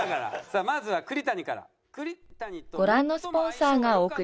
さあまずは栗谷から。